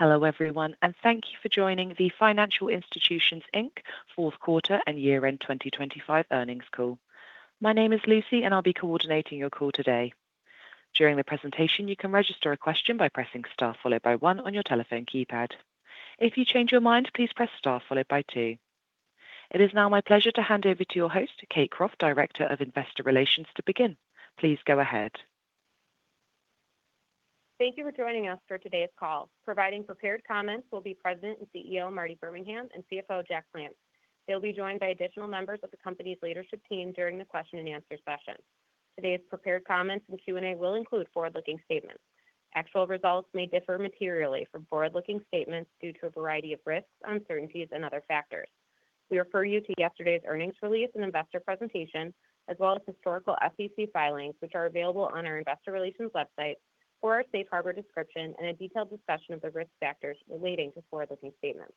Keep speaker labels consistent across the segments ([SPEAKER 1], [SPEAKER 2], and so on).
[SPEAKER 1] Hello, everyone, and thank you for joining the Financial Institutions, Inc. fourth quarter and year-end 2025 earnings call. My name is Lucy, and I'll be coordinating your call today. During the presentation, you can register a question by pressing Star followed by 1 on your telephone keypad. If you change your mind, please press Star followed by 2. It is now my pleasure to hand over to your host, Kate Croft, Director of Investor Relations, to begin. Please go ahead.
[SPEAKER 2] Thank you for joining us for today's call. Providing prepared comments will be President and CEO, Marty Birmingham, and CFO, Jack Plants. They'll be joined by additional members of the company's leadership team during the question and answer session. Today's prepared comments and Q&A will include forward-looking statements. Actual results may differ materially from forward-looking statements due to a variety of risks, uncertainties, and other factors. We refer you to yesterday's earnings release and investor presentation, as well as historical SEC filings, which are available on our investor relations website for our safe harbor description and a detailed discussion of the risk factors relating to forward-looking statements.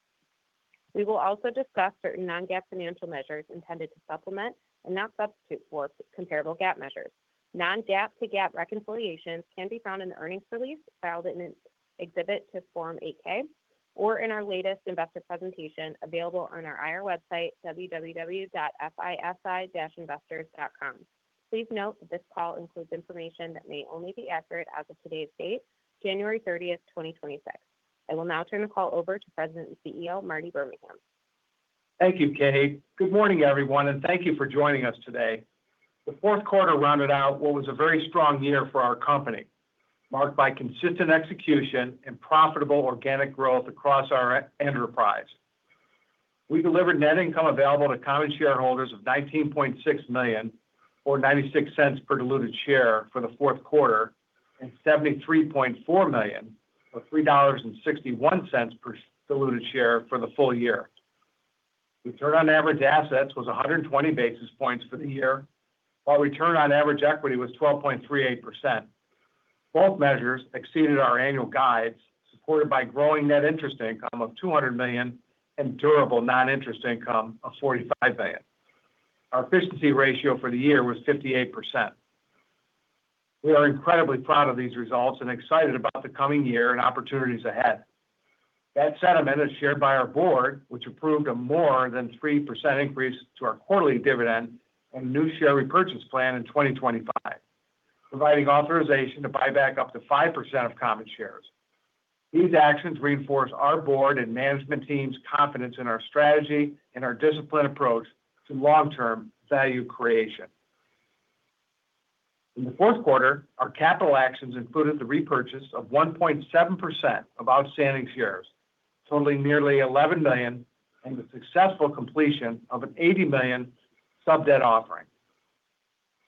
[SPEAKER 2] We will also discuss certain non-GAAP financial measures intended to supplement and not substitute for comparable GAAP measures. Non-GAAP to GAAP reconciliations can be found in the earnings release filed in an exhibit to Form 8-K, or in our latest investor presentation available on our IR website, www.fisi-investors.com. Please note that this call includes information that may only be accurate as of today's date, January 30, 2026. I will now turn the call over to President and CEO, Marty Birmingham.
[SPEAKER 3] Thank you, Kate. Good morning, everyone, and thank you for joining us today. The fourth quarter rounded out what was a very strong year for our company, marked by consistent execution and profitable organic growth across our enterprise. We delivered net income available to common shareholders of $19.6 million or $0.96 per diluted share for the fourth quarter, and $73.4 million, or $3.61 per diluted share for the full year. Return on average assets was 120 basis points for the year, while return on average equity was 12.38%. Both measures exceeded our annual guides, supported by growing net interest income of $200 million and durable non-interest income of $45 million. Our efficiency ratio for the year was 58%. We are incredibly proud of these results and excited about the coming year and opportunities ahead. That sentiment is shared by our board, which approved a more than 3% increase to our quarterly dividend and new share repurchase plan in 2025, providing authorization to buy back up to 5% of common shares. These actions reinforce our board and management team's confidence in our strategy and our disciplined approach to long-term value creation. In the fourth quarter, our capital actions included the repurchase of 1.7% of outstanding shares, totaling nearly 11 million, and the successful completion of an $80 million sub debt offering.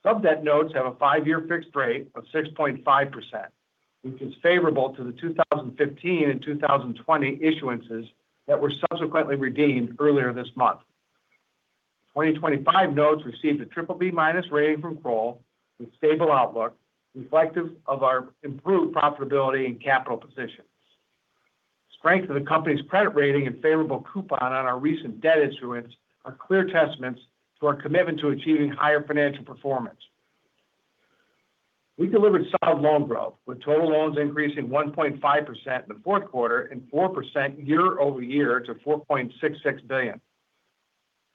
[SPEAKER 3] Sub debt notes have a 5-year fixed rate of 6.5%, which is favorable to the 2015 and 2020 issuances that were subsequently redeemed earlier this month. 2025 notes received a BBB- rating from Kroll with stable outlook, reflective of our improved profitability and capital position. Strength of the company's credit rating and favorable coupon on our recent debt issuance are clear testaments to our commitment to achieving higher financial performance. We delivered solid loan growth, with total loans increasing 1.5% in the fourth quarter and 4% year-over-year to $4.66 billion.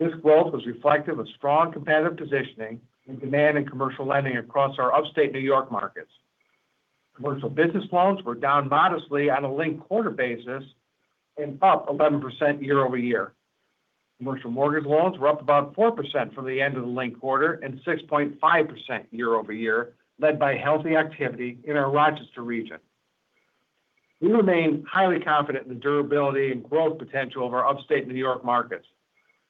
[SPEAKER 3] This growth was reflective of strong competitive positioning and demand in commercial lending across our Upstate New York markets. Commercial business loans were down modestly on a linked-quarter basis and up 11% year-over-year. Commercial mortgage loans were up about 4% from the end of the linked quarter and 6.5% year-over-year, led by healthy activity in our Rochester region. We remain highly confident in the durability and growth potential of our Upstate New York markets.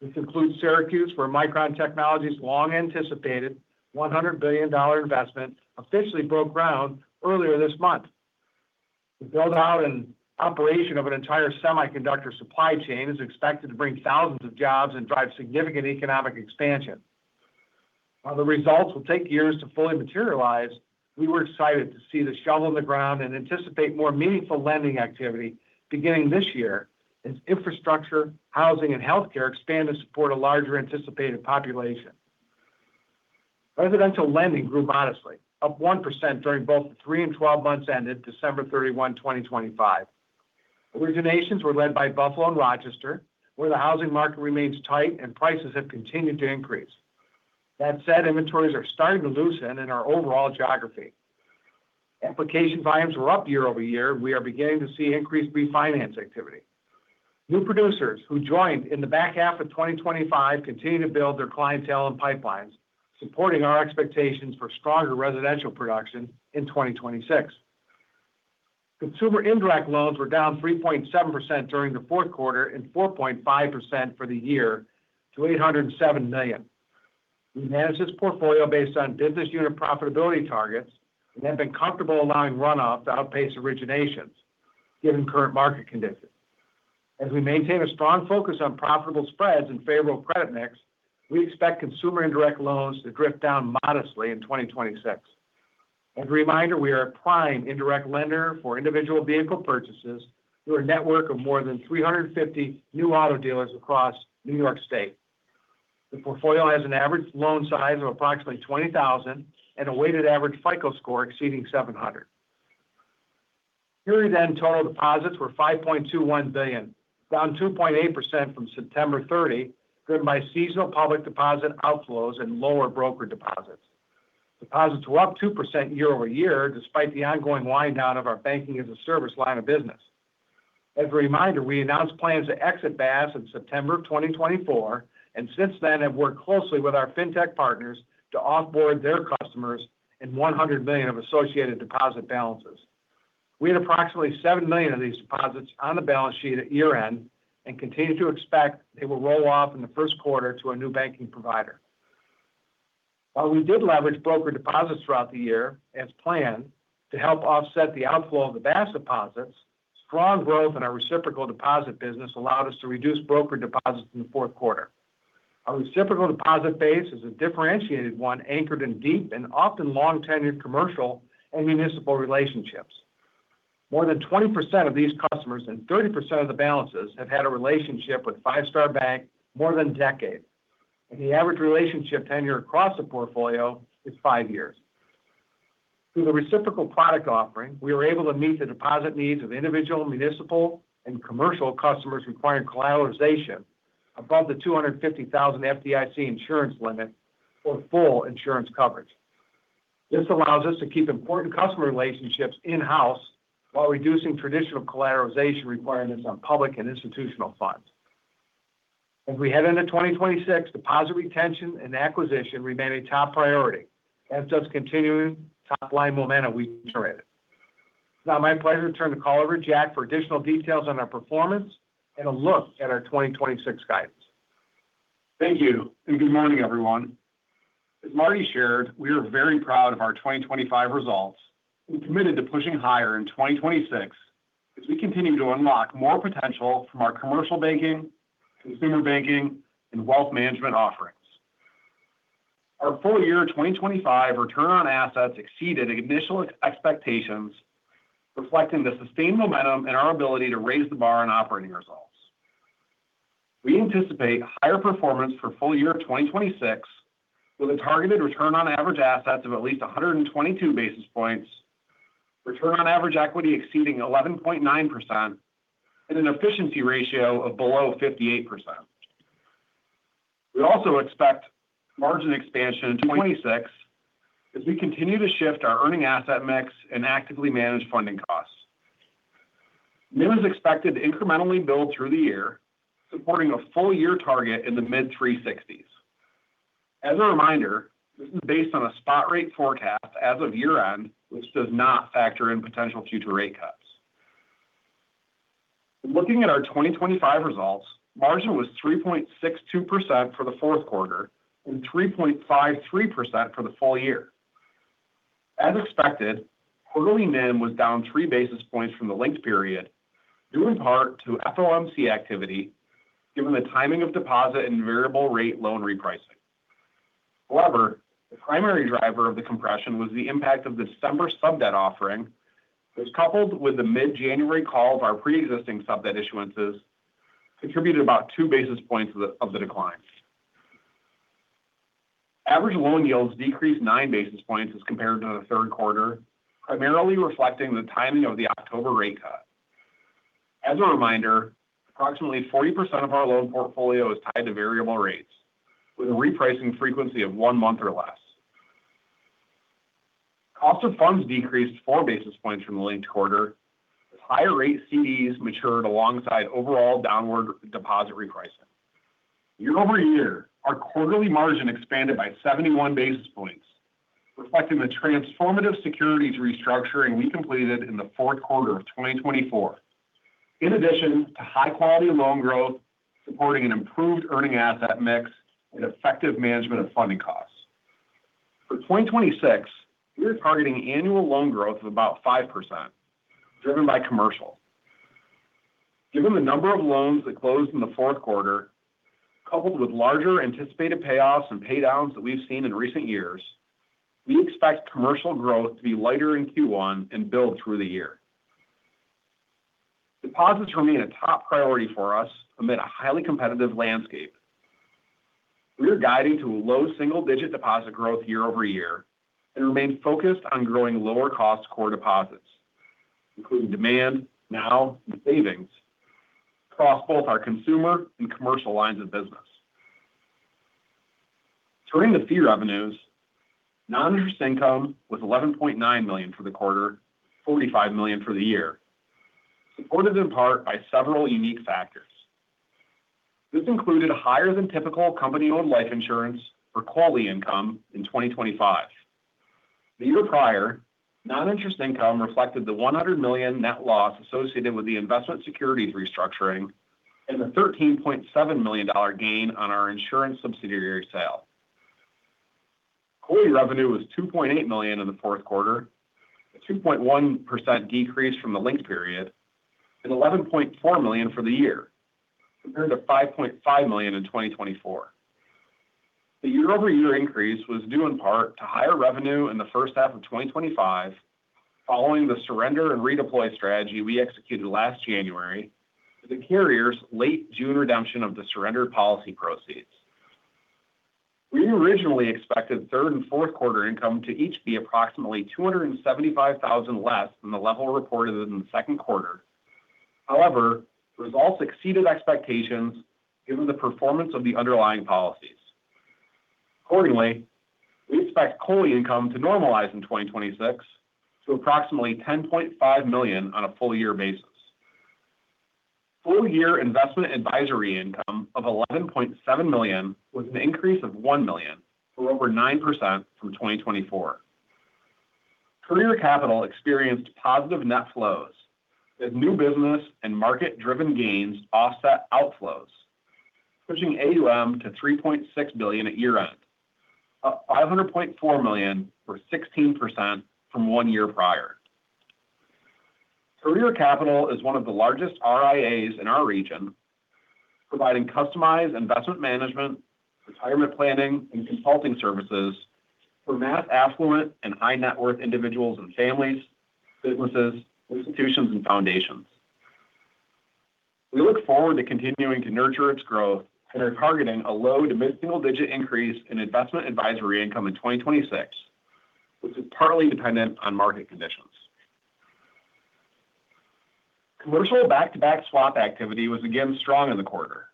[SPEAKER 3] This includes Syracuse, where Micron Technology's long-anticipated $100 billion investment officially broke ground earlier this month. The build-out and operation of an entire semiconductor supply chain is expected to bring thousands of jobs and drive significant economic expansion. While the results will take years to fully materialize, we were excited to see the shovel in the ground and anticipate more meaningful lending activity beginning this year as infrastructure, housing, and healthcare expand to support a larger anticipated population. Residential lending grew modestly, up 1% during both the 3 and 12 months ended December 31, 2025. Originations were led by Buffalo and Rochester, where the housing market remains tight and prices have continued to increase. That said, inventories are starting to loosen in our overall geography. Application volumes were up year-over-year. We are beginning to see increased refinance activity. New producers who joined in the back half of 2025 continue to build their clientele and pipelines, supporting our expectations for stronger residential production in 2026. Consumer indirect loans were down 3.7% during the fourth quarter and 4.5% for the year to $807 million. We manage this portfolio based on business unit profitability targets and have been comfortable allowing runoff to outpace originations, given current market conditions. As we maintain a strong focus on profitable spreads and favorable credit mix, we expect consumer indirect loans to drift down modestly in 2026. As a reminder, we are an indirect lender for individual vehicle purchases through a network of more than 350 new auto dealers across New York State. The portfolio has an average loan size of approximately $20,000 and a weighted average FICO score exceeding 700. Year-end total deposits were $5.21 billion, down 2.8% from September 30, driven by seasonal public deposit outflows and lower broker deposits. Deposits were up 2% year-over-year, despite the ongoing wind down of our banking-as-a-service line of business. As a reminder, we announced plans to exit BaaS in September 2024, and since then have worked closely with our fintech partners to onboard their customers and $100 million of associated deposit balances. We had approximately $7 million of these deposits on the balance sheet at year-end and continue to expect they will roll off in the first quarter to a new banking provider. While we did leverage broker deposits throughout the year as planned to help offset the outflow of the BaaS deposits, strong growth in our reciprocal deposit business allowed us to reduce broker deposits in the fourth quarter. Our reciprocal deposit base is a differentiated one, anchored in deep and often long-tenured commercial and municipal relationships. More than 20% of these customers and 30% of the balances have had a relationship with Five Star Bank more than a decade, and the average relationship tenure across the portfolio is five years. Through the reciprocal product offering, we were able to meet the deposit needs of individual, municipal, and commercial customers requiring collateralization above the $250,000 FDIC insurance limit for full insurance coverage. This allows us to keep important customer relationships in-house while reducing traditional collateralization requirements on public and institutional funds. As we head into 2026, deposit retention and acquisition remain a top priority, hence just continuing top-line momentum we generated. It's now my pleasure to turn the call over to Jack for additional details on our performance and a look at our 2026 guidance.
[SPEAKER 4] Thank you, and good morning, everyone. As Marty shared, we are very proud of our 2025 results and committed to pushing higher in 2026 as we continue to unlock more potential from our commercial banking, consumer banking, and wealth management offerings. Our full year 2025 return on assets exceeded initial expectations, reflecting the sustained momentum and our ability to raise the bar on operating results. We anticipate higher performance for full year 2026, with a targeted return on average assets of at least 122 basis points, return on average equity exceeding 11.9%, and an efficiency ratio of below 58%. We also expect margin expansion in 2026 as we continue to shift our earning asset mix and actively manage funding costs. NIM is expected to incrementally build through the year, supporting a full year target in the mid-3.60s%. As a reminder, this is based on a spot rate forecast as of year-end, which does not factor in potential future rate cuts. Looking at our 2025 results, margin was 3.62% for the fourth quarter and 3.53% for the full year. As expected, quarterly NIM was down 3 basis points from the linked period, due in part to FOMC activity, given the timing of deposit and variable rate loan repricing. However, the primary driver of the compression was the impact of the December sub debt offering, which, coupled with the mid-January call of our pre-existing sub debt issuances, contributed about 2 basis points of the decline. Average loan yields decreased 9 basis points as compared to the third quarter, primarily reflecting the timing of the October rate cut. As a reminder, approximately 40% of our loan portfolio is tied to variable rates, with a repricing frequency of one month or less. Cost of funds decreased 4 basis points from the linked quarter, as higher rate CDs matured alongside overall downward deposit repricing. Year-over-year, our quarterly margin expanded by 71 basis points, reflecting the transformative securities restructuring we completed in the fourth quarter of 2024, in addition to high quality loan growth, supporting an improved earning asset mix and effective management of funding costs. For 2026, we are targeting annual loan growth of about 5%, driven by commercial. Given the number of loans that closed in the fourth quarter, coupled with larger anticipated payoffs and pay downs that we've seen in recent years, we expect commercial growth to be lighter in Q1 and build through the year. Deposits remain a top priority for us amid a highly competitive landscape. We are guiding to a low single-digit deposit growth year-over-year and remain focused on growing lower cost core deposits, including demand, Now, and savings, across both our consumer and commercial lines of business. Turning to fee revenues, non-interest income was $11.9 million for the quarter, $45 million for the year, supported in part by several unique factors. This included higher than typical company-owned life insurance COLI income in 2025. The year prior, non-interest income reflected the $100 million net loss associated with the investment securities restructuring and the $13.7 million gain on our insurance subsidiary sale. COLI revenue was $2.8 million in the fourth quarter, a 2.1% decrease from the linked period, and $11.4 million for the year, compared to $5.5 million in 2024. The year-over-year increase was due in part to higher revenue in the first half of 2025-... Following the surrender and redeploy strategy we executed last January, the carrier's late June redemption of the surrendered policy proceeds. We originally expected third and fourth quarter income to each be approximately $275,000 less than the level reported in the second quarter. However, results exceeded expectations given the performance of the underlying policies. Accordingly, we expect COLI income to normalize in 2026 to approximately $10.5 million on a full year basis. Full year investment advisory income of $11.7 million was an increase of $1 million, or over 9% from 2024. Courier Capital experienced positive net flows, as new business and market-driven gains offset outflows, pushing AUM to $3.6 billion at year-end, up $500.4 million, or 16% from one year prior. Courier Capital is one of the largest RIAs in our region, providing customized investment management, retirement planning, and consulting services for mass affluent and high-net-worth individuals and families, businesses, institutions and foundations. We look forward to continuing to nurture its growth and are targeting a low to mid-single digit increase in investment advisory income in 2026, which is partly dependent on market conditions. Commercial back-to-back swap activity was again strong in the quarter,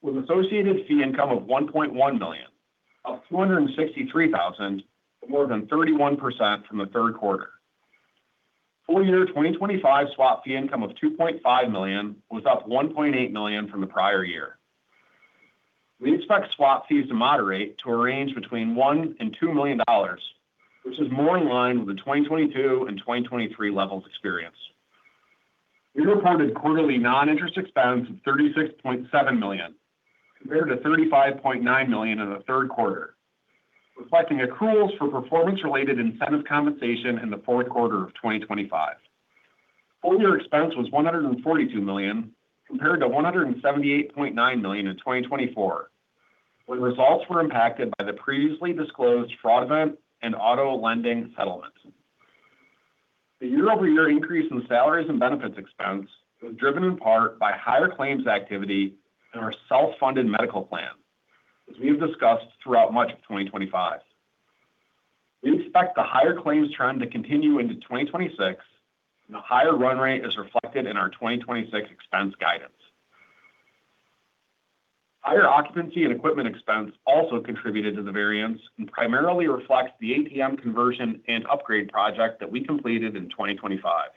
[SPEAKER 4] with associated fee income of $1.1 million, up $463,000, more than 31% from the third quarter. Full year 2025 swap fee income of $2.5 million was up $1.8 million from the prior year. We expect swap fees to moderate to a range between $1 million and $2 million, which is more in line with the 2022 and 2023 levels experienced. We reported quarterly non-interest expense of $36.7 million, compared to $35.9 million in the third quarter of 2025. Full year expense was $142 million, compared to $178.9 million in 2024, when results were impacted by the previously disclosed fraud event and auto lending settlement. The year-over-year increase in salaries and benefits expense was driven in part by higher claims activity in our self-funded medical plan, as we've discussed throughout much of 2025. We expect the higher claims trend to continue into 2026, and the higher run rate is reflected in our 2026 expense guidance. Higher occupancy and equipment expense also contributed to the variance, and primarily reflects the ATM conversion and upgrade project that we completed in 2025.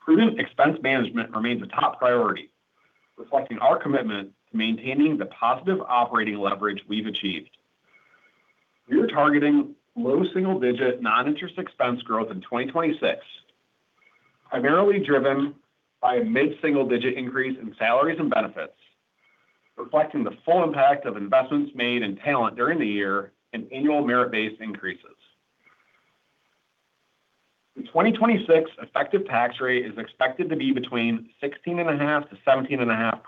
[SPEAKER 4] Prudent expense management remains a top priority, reflecting our commitment to maintaining the positive operating leverage we've achieved. We are targeting low single-digit non-interest expense growth in 2026, primarily driven by a mid-single-digit increase in salaries and benefits, reflecting the full impact of investments made in talent during the year and annual merit-based increases. The 2026 effective tax rate is expected to be between 16.5% and 17.5%,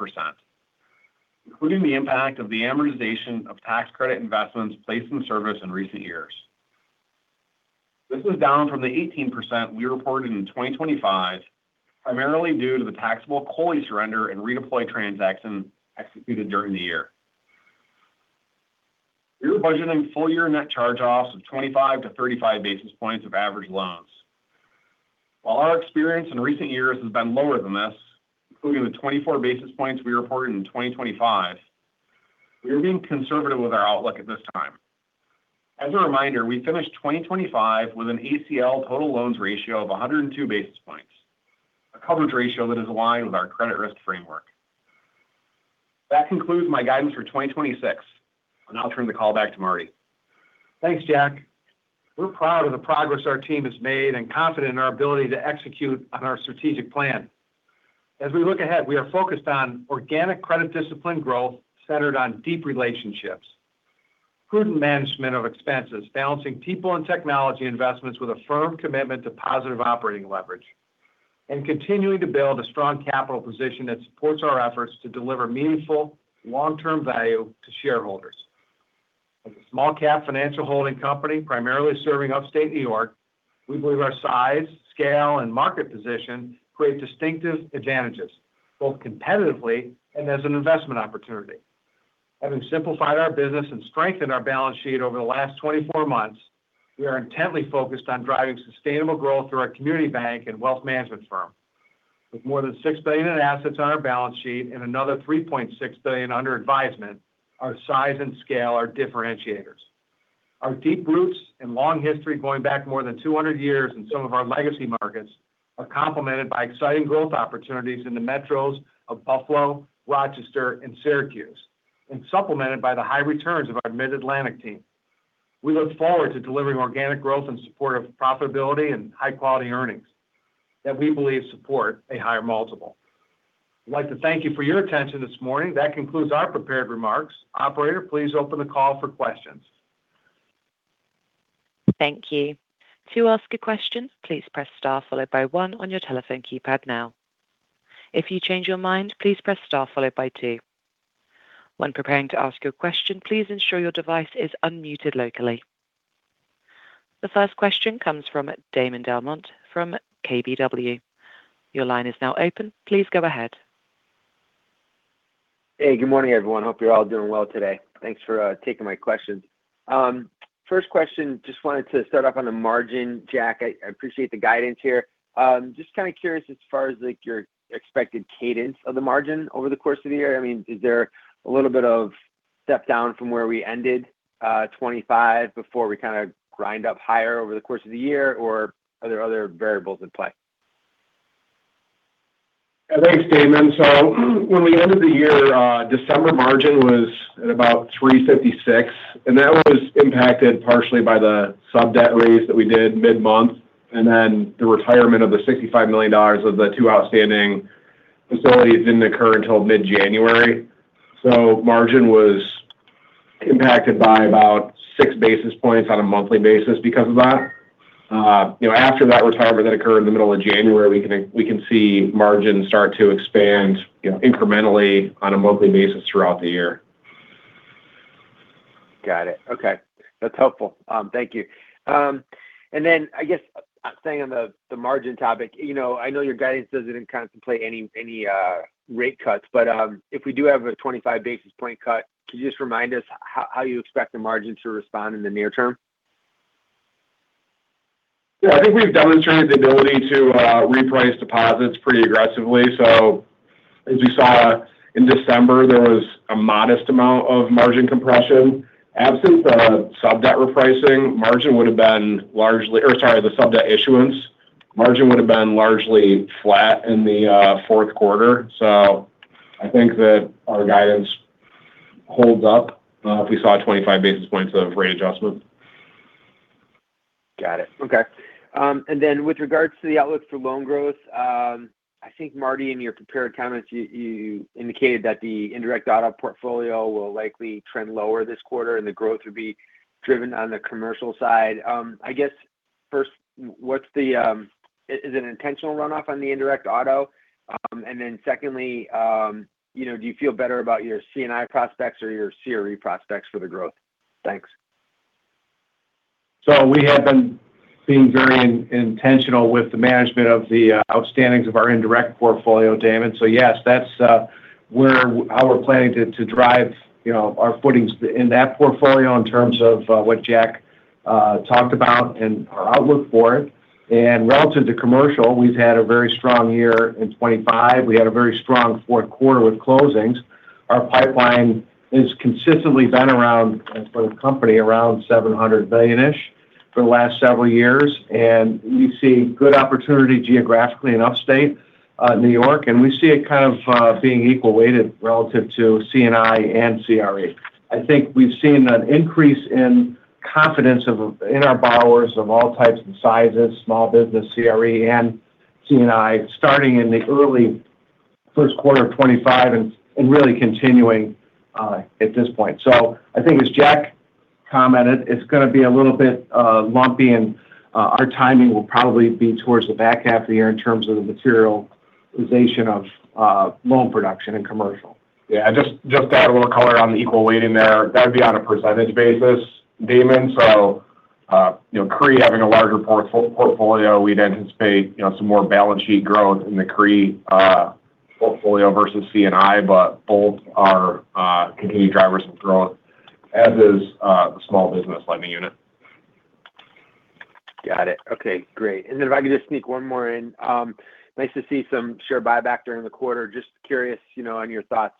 [SPEAKER 4] including the impact of the amortization of tax credit investments placed in service in recent years. This is down from the 18% we reported in 2025, primarily due to the taxable COLI surrender and redeploy transaction executed during the year. We're budgeting full-year net charge-offs of 25-35 basis points of average loans. While our experience in recent years has been lower than this, including the 24 basis points we reported in 2025, we are being conservative with our outlook at this time. As a reminder, we finished 2025 with an ACL total loans ratio of 102 basis points, a coverage ratio that is aligned with our credit risk framework. That concludes my guidance for 2026. I'll now turn the call back to Marty.
[SPEAKER 3] Thanks, Jack. We're proud of the progress our team has made and confident in our ability to execute on our strategic plan. As we look ahead, we are focused on organic credit discipline growth centered on deep relationships, prudent management of expenses, balancing people and technology investments with a firm commitment to positive operating leverage, and continuing to build a strong capital position that supports our efforts to deliver meaningful long-term value to shareholders. As a small cap financial holding company, primarily serving Upstate New York, we believe our size, scale, and market position create distinctive advantages, both competitively and as an investment opportunity. Having simplified our business and strengthened our balance sheet over the last 24 months, we are intently focused on driving sustainable growth through our community bank and wealth management firm. With more than $6 billion in assets on our balance sheet and another $3.6 billion under advisement, our size and scale are differentiators. Our deep roots and long history, going back more than 200 years in some of our legacy markets, are complemented by exciting growth opportunities in the metros of Buffalo, Rochester, and Syracuse, and supplemented by the high returns of our Mid-Atlantic team. We look forward to delivering organic growth in support of profitability and high-quality earnings that we believe support a higher multiple. I'd like to thank you for your attention this morning. That concludes our prepared remarks. Operator, please open the call for questions.
[SPEAKER 1] Thank you. To ask a question, please press Star followed by one on your telephone keypad now. If you change your mind, please press Star followed by two.... When preparing to ask your question, please ensure your device is unmuted locally. The first question comes from Damon DelMonte from KBW. Your line is now open. Please go ahead.
[SPEAKER 5] Hey, good morning, everyone. Hope you're all doing well today. Thanks for taking my questions. First question, just wanted to start off on the margin. Jack, I appreciate the guidance here. Just kind of curious as far as, like, your expected cadence of the margin over the course of the year. I mean, is there a little bit of step down from where we ended 25 before we kind of grind up higher over the course of the year? Or are there other variables in play?
[SPEAKER 4] Thanks, Damon. So when we ended the year, December margin was at about 3.56, and that was impacted partially by the sub debt raise that we did mid-month, and then the retirement of the $65 million of the two outstanding facilities didn't occur until mid-January. So margin was impacted by about 6 basis points on a monthly basis because of that. You know, after that retirement that occurred in the middle of January, we can see margins start to expand, you know, incrementally on a monthly basis throughout the year.
[SPEAKER 5] Got it. Okay. That's helpful. Thank you. And then, I guess, staying on the margin topic. You know, I know your guidance doesn't contemplate any rate cuts, but if we do have a 25 basis point cut, can you just remind us how you expect the margin to respond in the near term?
[SPEAKER 4] Yeah, I think we've demonstrated the ability to reprice deposits pretty aggressively. So as you saw in December, there was a modest amount of margin compression. Absent the sub debt repricing, margin would have been largely - or sorry, the sub debt issuance, margin would have been largely flat in the fourth quarter. So I think that our guidance holds up if we saw 25 basis points of rate adjustment.
[SPEAKER 5] Got it. Okay. And then with regards to the outlook for loan growth, I think, Marty, in your prepared comments, you, you indicated that the indirect auto portfolio will likely trend lower this quarter and the growth would be driven on the commercial side. I guess first, what's the, is it an intentional runoff on the indirect auto? And then secondly, you know, do you feel better about your C&I prospects or your CRE prospects for the growth? Thanks.
[SPEAKER 3] So we have been being very intentional with the management of the outstandings of our indirect portfolio, Damon. So, yes, that's where how we're planning to drive, you know, our footings in that portfolio in terms of what Jack talked about and our outlook for it. And relative to commercial, we've had a very strong year in 2025. We had a very strong fourth quarter with closings. Our pipeline has consistently been around, for the company, around $700 million-ish for the last several years, and we see good opportunity geographically in upstate New York, and we see it kind of being equal weighted relative to C&I and CRE. I think we've seen an increase in confidence of, in our borrowers of all types and sizes, small business, CRE, and C&I, starting in the early first quarter of 2025 and really continuing at this point. So I think as Jack commented, it's gonna be a little bit lumpy and, our timing will probably be towards the back half of the year in terms of the materialization of loan production and commercial.
[SPEAKER 4] Yeah, just, just to add a little color on the equal weighting there. That'd be on a percentage basis, Damon. So, you know, CRE having a larger portfolio, we'd anticipate, you know, some more balance sheet growth in the CRE portfolio versus C&I, but both are continued drivers of growth, as is the small business lending unit.
[SPEAKER 5] Got it. Okay, great. And then if I could just sneak one more in. Nice to see some share buyback during the quarter. Just curious, you know, on your thoughts,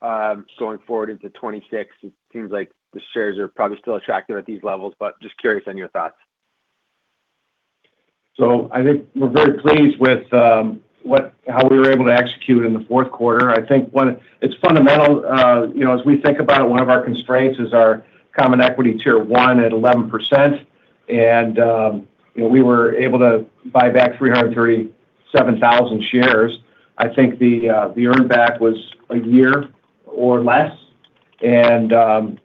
[SPEAKER 5] going forward into 2026. It seems like the shares are probably still attractive at these levels, but just curious on your thoughts.
[SPEAKER 3] So I think we're very pleased with how we were able to execute in the fourth quarter. I think it's fundamental, you know, as we think about it, one of our constraints is our Common Equity Tier 1 at 11%, and, you know, we were able to buy back 337,000 shares. I think the earn back was a year or less, and,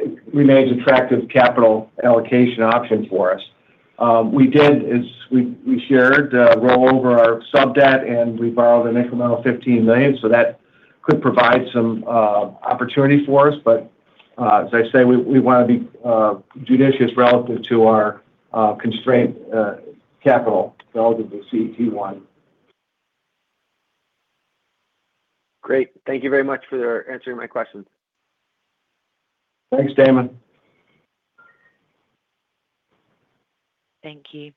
[SPEAKER 3] it remains attractive capital allocation option for us. We did, as we shared, roll over our sub debt and we borrowed an incremental $15 million, so that could provide some opportunity for us. But, as I say, we want to be judicious relative to our constraint, capital relative to CET1.
[SPEAKER 5] Great. Thank you very much for answering my questions.
[SPEAKER 3] Thanks, Damon.
[SPEAKER 1] Thank you.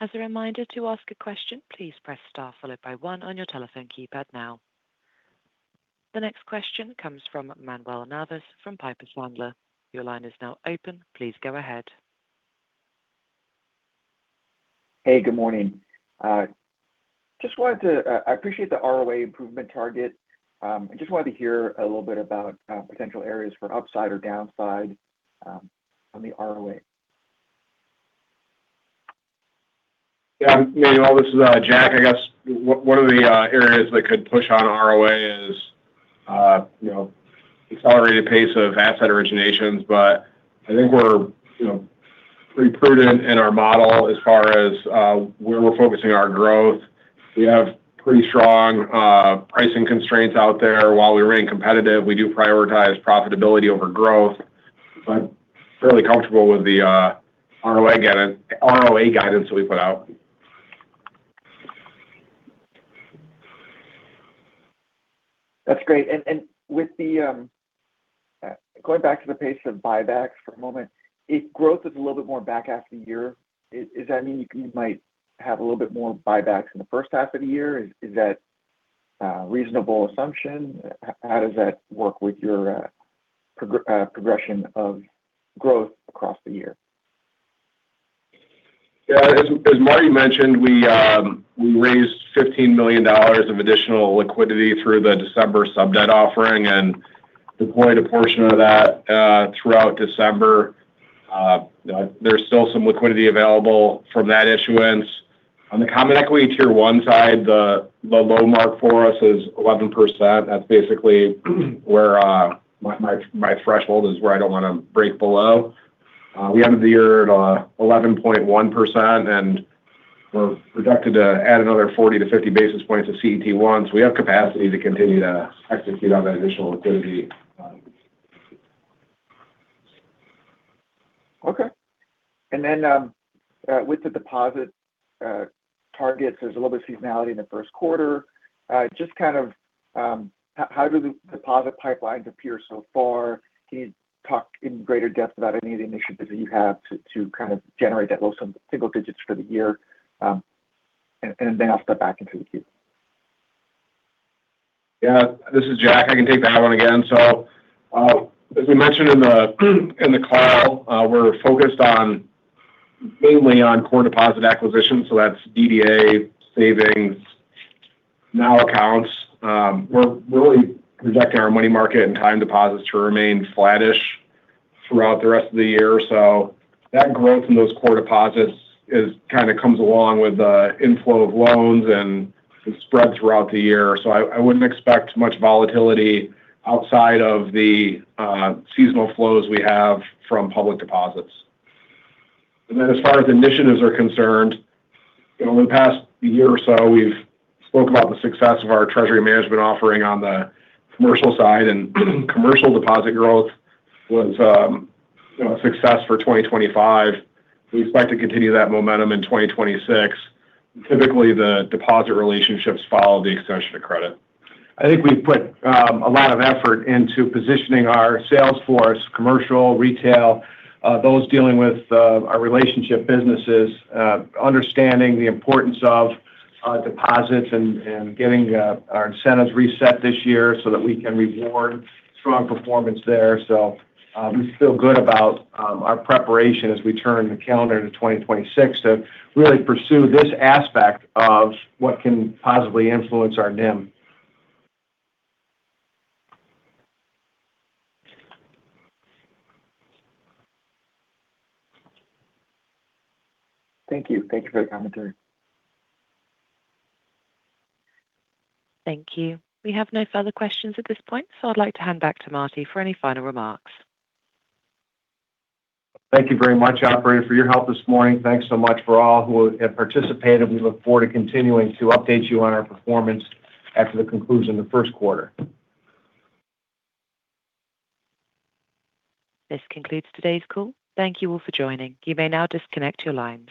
[SPEAKER 1] As a reminder to ask a question, please press Star followed by one on your telephone keypad now. The next question comes from Manuel Navas, from Piper Sandler. Your line is now open. Please go ahead.
[SPEAKER 6] Hey, good morning. Just wanted to... I appreciate the ROA improvement target. I just wanted to hear a little bit about potential areas for upside or downside on the ROA.
[SPEAKER 4] Yeah, Manuel, this is Jack. I guess one of the areas that could push on ROA is, you know, accelerated pace of asset originations. But I think we're, you know, pretty prudent in our model as far as where we're focusing our growth. We have pretty strong pricing constraints out there. While we remain competitive, we do prioritize profitability over growth, but fairly comfortable with the ROA guidance, ROA guidance that we put out.
[SPEAKER 6] That's great. With the going back to the pace of buybacks for a moment, if growth is a little bit more back half of the year, does that mean you might have a little bit more buybacks in the first half of the year? Is that a reasonable assumption? How does that work with your progression of growth across the year?
[SPEAKER 4] Yeah, as Marty mentioned, we raised $15 million of additional liquidity through the December sub debt offering and deployed a portion of that throughout December. There's still some liquidity available from that issuance. On the Common Equity Tier 1 side, the low mark for us is 11%. That's basically where my threshold is, where I don't wanna break below. We ended the year at 11.1%, and we're projected to add another 40-50 basis points of CET1. So we have capacity to continue to execute on that additional liquidity.
[SPEAKER 6] Okay. And then, with the deposit targets, there's a little bit seasonality in the first quarter. Just kind of, how do the deposit pipelines appear so far? Can you talk in greater depth about any of the initiatives that you have to kind of generate that low single digits for the year? And then I'll step back into the queue.
[SPEAKER 4] Yeah, this is Jack. I can take that one again. So, as we mentioned in the call, we're focused on, mainly on core deposit acquisition, so that's DDA savings, NOW accounts. We're really projecting our money market and time deposits to remain flattish throughout the rest of the year. So that growth in those core deposits is kind of comes along with the inflow of loans and spread throughout the year. So I wouldn't expect much volatility outside of the seasonal flows we have from public deposits. And then as far as initiatives are concerned, you know, in the past year or so, we've spoke about the success of our treasury management offering on the commercial side, and commercial deposit growth was a success for 2025. We expect to continue that momentum in 2026. Typically, the deposit relationships follow the extension of credit.
[SPEAKER 3] I think we've put a lot of effort into positioning our sales force, commercial, retail, those dealing with our relationship businesses, understanding the importance of deposits and getting our incentives reset this year so that we can reward strong performance there. So, we feel good about our preparation as we turn the calendar to 2026 to really pursue this aspect of what can positively influence our NIM.
[SPEAKER 6] Thank you. Thank you for the commentary.
[SPEAKER 1] Thank you. We have no further questions at this point, so I'd like to hand back to Marty for any final remarks.
[SPEAKER 3] Thank you very much, operator, for your help this morning. Thanks so much for all who have participated. We look forward to continuing to update you on our performance after the conclusion of the first quarter.
[SPEAKER 1] This concludes today's call. Thank you all for joining. You may now disconnect your lines.